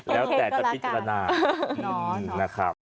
แล้วแต่ตะพิจารณา